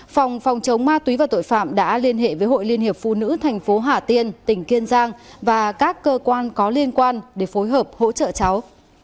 phòng phòng chống ma túy và tội phạm đã liên hệ với hội liên hiệp phụ nữ thành phố hà tiên tỉnh kiên giang và các cơ quan có liên quan để phối hợp hỗ trợ cháu